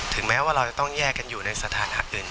แม้ว่าเราจะต้องแยกกันอยู่ในสถานะอื่น